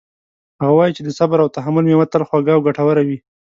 هغه وایي چې د صبر او تحمل میوه تل خوږه او ګټوره وي